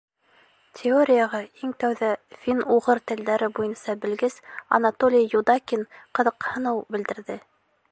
Теорияға иң тәүҙә фин-уғыр телдәре буйынса белгес Анатолий Юдакин ҡыҙыҡһыныу белдерҙе.